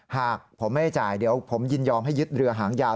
หากผมไม่ได้จ่ายเดี๋ยวผมยินยอมให้ยึดเรือหางยาว